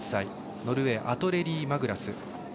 ノルウェーアトレリー・マグラス。